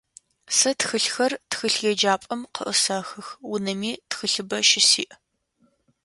Сэ тхылъхэр тхылъеджапӏэм къыӏысэхых, унэми тхылъыбэ щысиӏ.